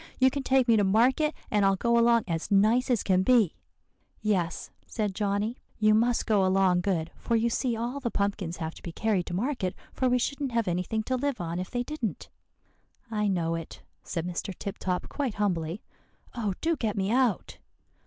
You can take me to market, and I'll go along as nice as can be.' "'Yes,' said Johnny; 'you must go along good; for you see all the pumpkins have to be carried to market, for we shouldn't have anything to live on if they didn't.' "'I know it,' said Mr. Tip Top quite humbly; 'oh, do get me out!